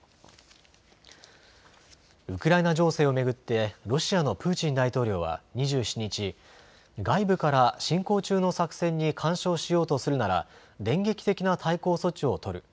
ウクライナ情勢を巡ってロシアのプーチン大統領は２７日、外部から進行中の作戦に干渉しようとするなら電撃的な対抗措置を取る。